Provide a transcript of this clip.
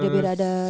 epa tuh under